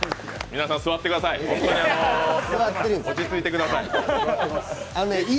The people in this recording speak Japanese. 皆さん座ってください。